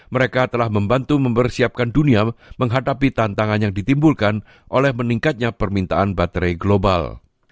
mereka telah membantu mempersiapkan dunia menghadapi tantangan yang ditimbulkan oleh meningkatnya permintaan baterai global